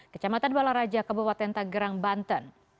kecamatan balaraja kabupaten tanggerang banten